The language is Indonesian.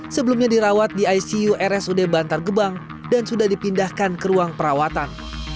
sebelumnya dirawat di icu rsud bantar gebang dan sudah dipindahkan ke ruang perawatan